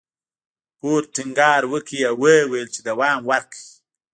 فورډ ټينګار وکړ او ويې ويل چې دوام ورکړئ.